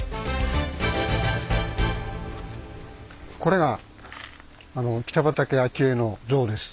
これが北畠顕家の像です。